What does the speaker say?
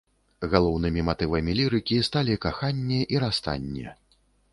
Галоўнымі матывамі лірыкі сталі каханне і расстанне.